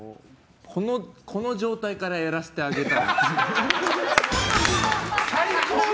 この状態からやらせてあげる。